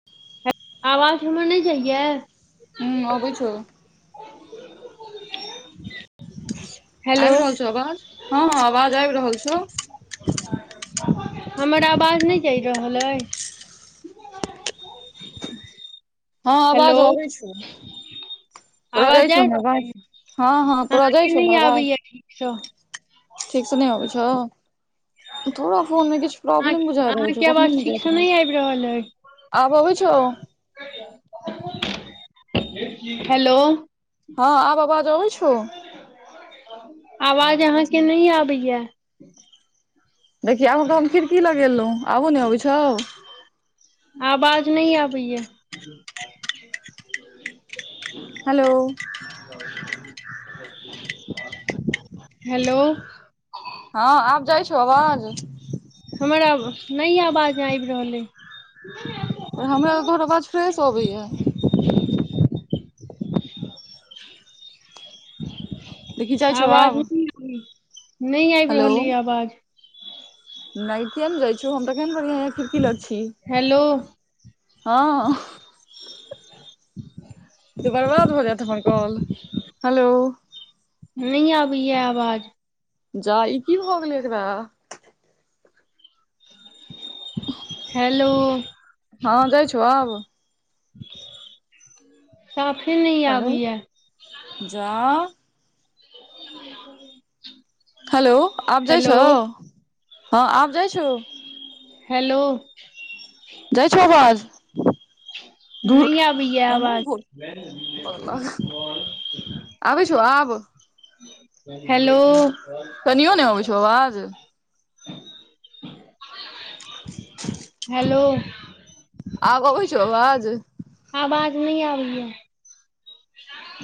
[inaudible] आवाज हमर नहि जाइये हूँ अबै छौ [unintelligible] आबि रहल छौ आवाज हँ हँ आवाज आबि रहल छौ हमर आवाज नय जाय रहल अहि हँ हेलो आवाज अबै छै तोरा आवाज जाय जा छौ ने रहल अवाज अइ हँ हँ तोरा जाय अहाँके छौ नहि ने अवाज आबैया ठीकसँ ठीक से नहि अबै छौ तोरा फोन मे किछु अहाँ प्रॉब्लम बुझा रहै छौ अहाँके कखनो आवाज नहि जायत ठीकसँ रहे आबि रहल अइ छौ आब अबै छौ हेलो हँ आब अवाज अबै छौ आवाज अहाँके नहि आबैये देखी आब तऽ हम खिड़की लगेलहुँ आबो ने अबै छौ आबाज नै आबैये हेलो हेलो हँ आब जाय छो अवाज हमर आब नहि आवाजम आबि रहल अहि पर हमरा ओकर आवाज फ्रेश अबैये देखि जाइ छौ आब आवाज नहि आबि रहल ये आवाज नै किआ ने जाय छौ हम तऽ केहेन बढ़ियां ये खिड़की लग छी हेलो हँऽ इ बर्बाद भऽ जायत हमर कॉल हेलो नइ आबैये आवाज जा ई की भऽ गेलै एकरा हेलो हँ जाय छौ आब [inaudible] साफे नहि हेलो आबैया। जा हेलो आब जाइ छौ हेलो हँ आब जाइ छो। हेलो जाइ छौ आबाज नइ आबैये आवाज भोट [unintelligible] आबै छौ आब हेलो कनियो नहि आबै छौ आवाज हेलो आब अबै छौ आवाज आबाज नहि आबै ये।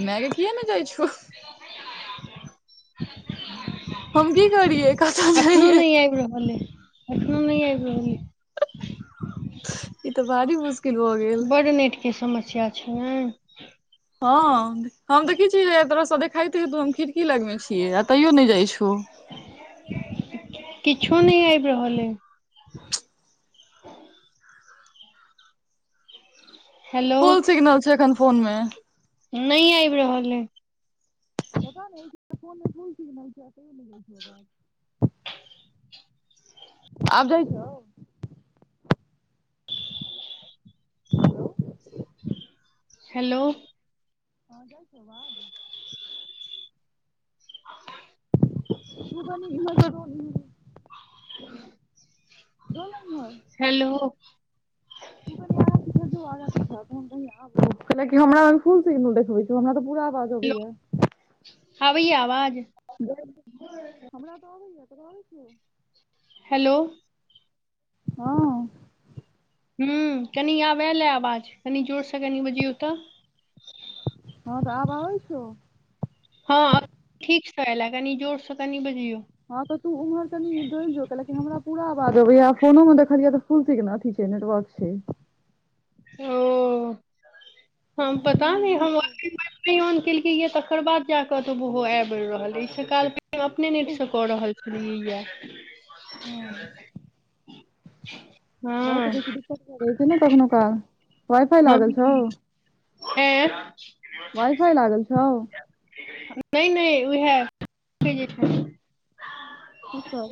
मेऽ गे किये नहि जाइ छौ। हम की करियै कतऽ अखनो जइयै नहि आबि रहल अ। एखनो नहि आबि रहल ये। ई तऽ भारी मुस बड नेटके समस्या छैन। हँ हम देखैत छियै तरहसँ देखाइते हेतौ हम खिड़की लगमे छियै आ तैयो नहि जाइत छौ। किछो नहि आबि रहल अइ। हेलो फुल सिग्नल छै एखन फोन मे। नहि आबि रहल अइ। पता नहि अई ठामका फोन मे फुल सिगनल छै तईयो नहि जाई छौ आबाज। आब जाइ छौ। हेलो हँ जाइ छौ अबाज। अपन तु कनि इम्हर [unintelligible] [unintelligible] जो न इम्हार हेलो तु कनि आगां- पीछां जो आगां- पीछां तहन कहियें। लेकिन हमरा मे तऽ फुल सिगनल देखबय छौ। हमरा तऽ पुरा अबाज अबैयऽ। आबैया आवाज हमरा तऽ अबैया तोड़ा आबै छियौ। हेलो हँ हँ कनि आब अएलए आवाज कनि जोरसँ कनि बजियौतऽ। हँ तऽ आब आबै छो। हँ आब ठीकसँ अयलए कनि जोरसँ कनि बजियौ। हँ तऽ तू उम्हर तनि डोलि जो लेकिन हमरा पूरा आवाज अबैया फोनो मे देखलियै तऽ फुल सिगन अथि छै नेटवर्क छै। ओ हम कनि पता नहि मनि हमर एप कऽ ऑन केलकैऽ तकर बाद जा कऽत ओहो आबि रहल इ सब काॅल हम अपने नेट से कऽ रहल छलियै ये। हॅं [inaudible] भऽ सकय छै किछु दिक्कत भ रहै छै ने कखनो काल। वाइफाई लागल हम छौ। ऐं वाइ फाई लागल छौ। नहि नहि उएह। [unintelligible] ककर?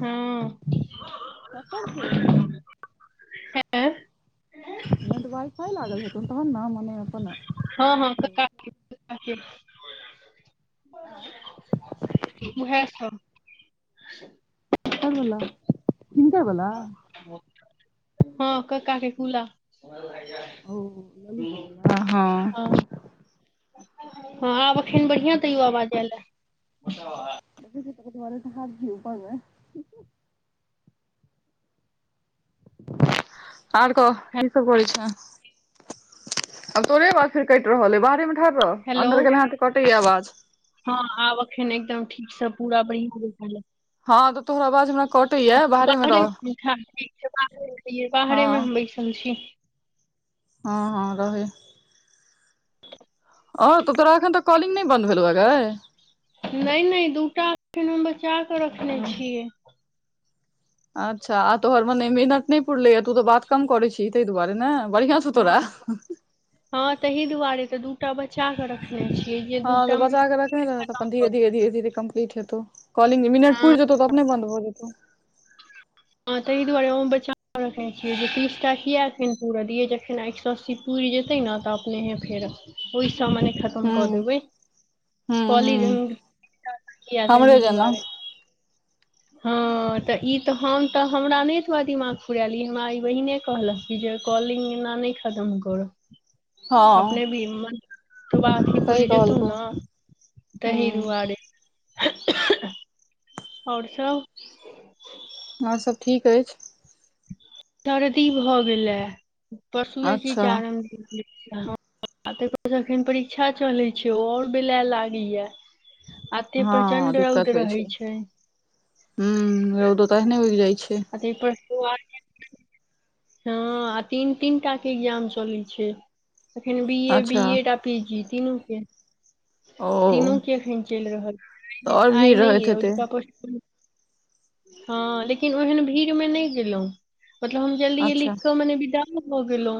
हँ ककर छौ? ऐं नहि तऽ वाय-फाय लागल हेतो तहन न मने हँ हँ बात भऽ जाइ कक्का के कका के उहे सब ककड़ बला हुनकार बला हँ कक्का के कूला ओहो ललित बला हँ। हँ आब एखन बढ़िआँ तैयो आवाज आयल ऐ। [unintelligible] आर कह हे की सब करै छेह। आब तोरे आवाज फेर कटि रहल बाहरे मे ठार रह हेलो अंन्दर गेले हाथ कटे आवाज हँ आब एखन एकदम ठीकसँ पूरा बैन रहल ऐ हँ त तोहर अबाज हमरा कटैये [unintelligible] बाहरे मे रह बाहरे हँ हम बैसल छी हँ हँ रहै [inaudible] आओर तऽ तोरा एखन तऽ कॉलिंग नै बन्द भेलौ गाय नै नै दूटा एखन हम बचा कऽ रखने छियै अच्छा आ तोहर भने मिनट नै पुरलैया तू तऽ बात कम करे छी ताहि दुआरे नै बढ़ियां सु हँ तोरा हँ ताहि दुआरे तऽ दूटा बच्चा कऽ रखने छियै जे हँ तऽ दूटा बचा म कऽ तऽ अपन धीर धीर धीर धीरे कम्पली हेतौ कॉलिंग हँ पुरि जेतौ त अपने बन्द भऽ जेतौ हँ तऽ ई दुआरे हम बचा कहै छियै जे तीसटा किया एखन पूरऽ दियै जखन एक सए अस्सी पूरि जेतै न तऽ अपनेेहे फेर ओई सब मने खा कोन क हूँ देबै हूँ कली हूँ हमरे [unintelligible] जेना दुआरे हँ तऽ ई तऽ हम तऽ हमरा नै एतबा दिमाग फुरायल ई हमरा ई बहिने कहलक कि जे कॉलिंग एना नै खतम करब हँ अपने भी मन तऽ बाथी सही पुरि जेतौ कहलको न हूँ दहीदुरुआरे आओर सब आओर सब ठीक अछि सर्दी भऽ गेलेए पशुए की अच्छा चारम दिन तै परस अखन परीक्षा चलै छै ओ आओर बेलाय लागैय अते हँ प्रचंड रौद दिक्कत होइ रहै छै हूँ रौदो त तहने उगि जाइ छै अ प प [unintelligible] हँ आ तीन तीन टा के एग्जाम चलै छै एखन बि ए बि अच्छा एड आ पी जी तिनू के ओ तीनू के एखन चलि रहल तऽ आओर आइ भीड़ नै रहैत एई हेतै औजका हँ लेकिन ओहन भीड़ मे नै गेलौ मतलब हम जलदी ये अच्छा लिख क मने विदा भ गेलौं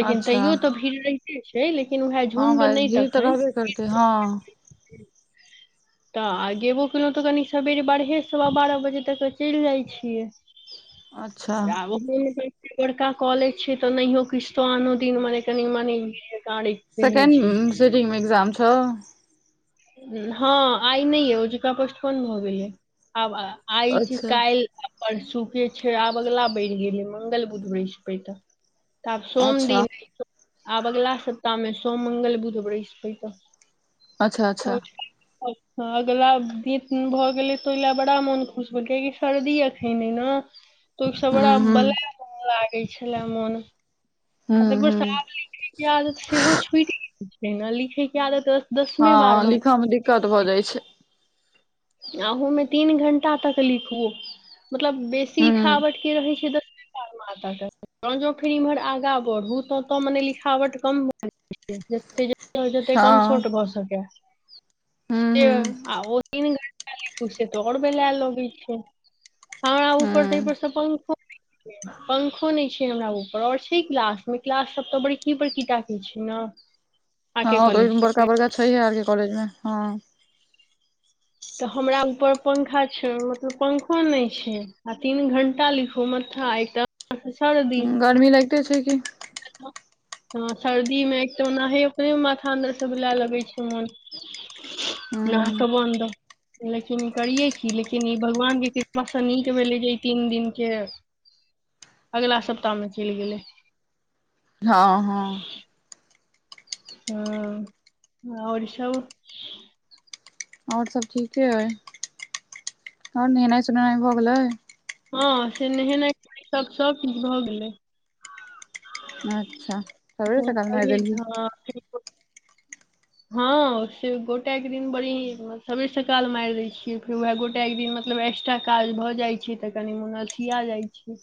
लेकिन अच्छा तैयो तऽ भीड़ रहीते छै लेकिन उएह हँ झुण्ड भाय नै भीड़ तऽ तखन रहबे करतै हँ तऽ आ गेबो केलौं तऽ कनि सवेरे बारहे सवा बारह बजे तक चलि जाइ छियै अच्छा आ [unintelligible] बड़का कॉलेज छै तऽ नहियो किछु तो आनो दिन मने कनि मनी सेकेंड सटिंग मे ए्जाम छौ हँ आइ नै अइ ओजुका पष्ट कोन भऽ गेलय आब आ आइ अच्छा काल्हि परसुके छै आब ऐगला बढ़ गेलै मंगल बुध बृसपैत तऽ आब सोम अच्छा दिन आब अगला सप्ताहमे सोम मंगल बुध बृस्पतऽ अच्छा ह अच्छा [unintelligible] हँ अगिला दिन भऽ गेलै तऽ ओइला बड़ा मोन खुश भऽ गेलैकि सर्दी एखन छै ने [unintelligible] हूँ बड़ा हूँ बलए लागै छलै मोन आ हूँ तैऽ स हूँ आब लिखयके आदत सेहो छुटि गेल छै न लिखयके आदत दसमे हँ बारमे लिखऽ मे दिक्कत भऽ जाइ छै। अहु मे तीन घंटा तक लिखू मतलब बेसी हूँ लिखावट के रहै छै, त माता जोँ फेर इम्हर आगा बढ़ू तों तों मने लिखावट कम जतेह हँ कम शर्ट भऽसकेएा हूँ हूँ से वैसे त आओर वेला लागै छै हमरा उपर तय हूँ पर से पंखो [unintelligible] पंखो नहि छै हमरा ऊपर आओर छै क्लासमे क्लास सब तऽ बड़की बड़की टाके छै ने [inaudible] हाँ तऽ कॉलेज के बड़का बड़का छै हे आरके कॉलेजमे हाँ तऽ हमरा ऊपर पंखा छै, मतलब पंखो नहि छै, आ तीन घंटा लिखु माथा एक त आओर सब छ न दी हूँ, गर्मी लगिते छै कि हाँ सर्दीमे एक तऽ ओनाहीं ओकरे माथा अन्दर से बला लगै छै मोन नाक हूँ बन्द लेकिन ई करियै की लेकिन ई भगवानके कृपासँ नीक भेलै जे ई तीन दिनके अगिला सप्ताहमे चलि गेलै। हाँ हँ हँ आओर सभ। आओर सब ठीके हइ आओर नहेनाइ सोहेनाइ भऽ गेलै हाँ से नहेनाइखेनाइ सब सबकछु भए गेलै अच्छा सबेरे सकाल मारि देलही [unintelligible] हाँ से गोटके दिन बड़ी सबेर सकाल मारि दै छियै फेर उएह गोटके दिन मतलब एस- एकटा काज भऽ जाइ छै, तऽ कनि मन अलसिया जाइ छै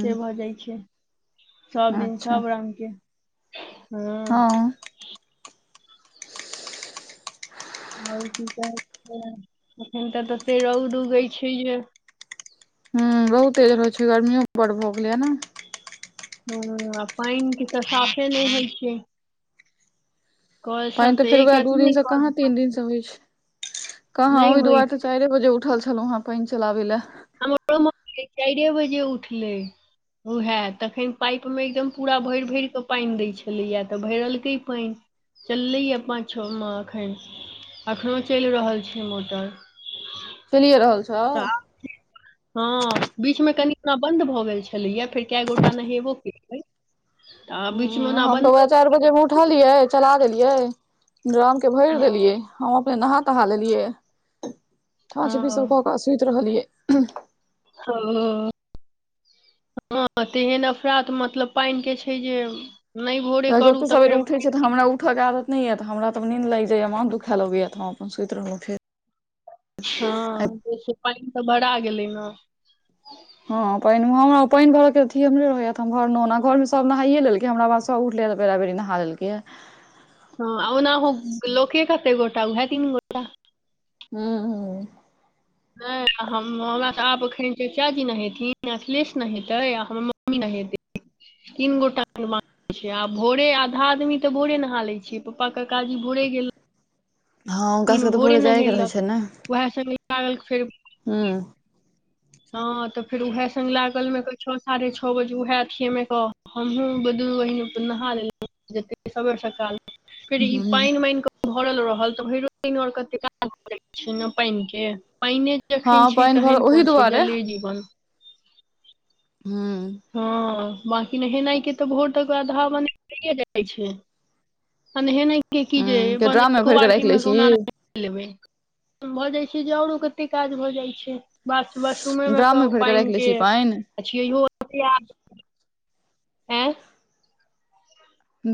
से भऽ जाइ छै, सब दिन अच्छा सब रंगके हाँ हँ आओर की कहै छै, एखन तऽ तते रौद उगै छै जे रौद तेज हो छै गर्मियो बड्ड भऽ गेलै या न हूँ आ पानि के तऽ साफे नहि होइ छियै पानि तऽ फेर एक वहाए दू रत्ती नहि दिनसँ कॉल कहाँ तीन दिनसँ होइ छै कहाँ नहि ओहि होइ दुआरे तऽ छै चारि बजे उठल छलहुँ हेँ पानि चलाबै लाए हमरो माँ चारि बजे उठलै उएह तखन पाइपमे एकदम पूरा भरि-भरि कऽ पानि दैत छलैए, तऽ भरलकै पानि। चललैए, पाँच-छओमे एखन एखनो चलि रहल छै मोटर चलिए राहल छै तऽ हाँ बीचमे कनि ओना बंन्द भऽ गेल छलैय या फेर कए गोटा नहेबो केलकै हूँ-ह हम तऽ उएह चारि बजेमे उठलियै चला देलियै राँ - के भरि देलियै हँ हम अपने नहा तहा लेलियै या [unintelligible] हँ सुति रहलियै ह-ओ हाँ तऽ एहन अफरात मतलब पानिके छै जे नहि भोरे करू तऽ फेर भ- उठिके आदत नहि या तऽ हमरा तऽ नींद लागि जाइया माथ दुखा लागै याऽ हम अपन सुति रहलहुँ फेर हाँ जे से पानि तऽ बरा गेलै ने हाँ पानि हमरा पानि भरऽ के अथी हमरे रहैय या त हम घरमे ओना घरमे सब नहायए लेलकै हमरा पास सब उठले तऽ प बेरा- बेरी नहा लेलकै या हाँ ओनाहूँ लोके कते गोटा उहाए तीन गो हूँ हूँ नहि हम हमरा तऽ आब एखन चचाजी नहेथिन अखलेश नहेतै आ हमर माँ हम हीं नहैबे तीन गोटाके मात्र आब भोरे आधा आदमी तऽ भोरे नहा लैत छियै पप्पा काजी भोरे गेल हँ हुनकासभके तऽ भोरे जायके रहै छै ने वएह सब [unintelligible] लागल फेर हुँ हँ तऽ फेर उएहे स लागल मे के छओ साढ़े छओ बजे उएहे अथििय मे क हमहु दु बहिन नहा लेल सबेर सकाल फेर ई पानिान भरल रहल तऽ भरिो प आर कत क छै, ने पानि के पान जखन हँ छै, पानि भर तहन ओहि कोन छै, दुआरे जले जीवन। हू हँ बकी नहेनाइ के तऽ भोट ओकरा धाव बे जाइ छै। हँ, नहि की जे के बन ड्राम मे एको भरि कऽ बाल्टीन राखि लै मे छी कोहना नाह लेबै भऽ जाइत छी जे आओरो कतेक काज भऽ जाइत छै ब बशरूमे मे ड्राम कह भरि कऽ राखि पानि लै के छी पानि अछिये एते आदमी आँ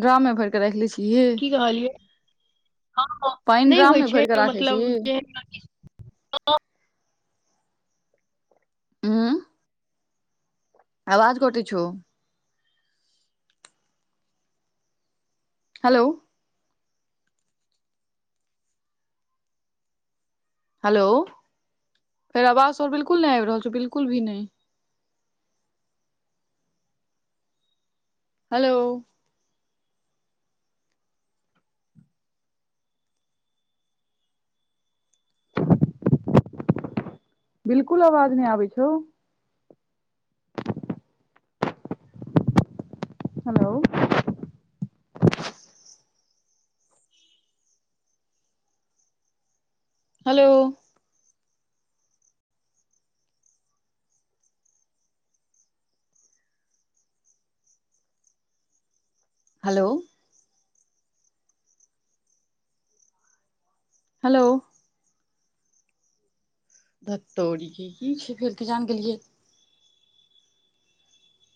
ड्रमे भरिक रखलि छी की कहलियै हँ हँ पानि नहि ड्राम मे होइ छै भरि कऽ राखै छी मतलब जेएहन, ह उँ आवाज कटे छ हेलो हेलो फेर आवाज आऔर बिलकुल नहि आबि रहल छै बिलकुल भी नहि हेलो बिलकुल अवाज नहि आबै छौ हेलो हेलो हेलो हेलो धतौड़ी के की छै फेर कीजान गेलियै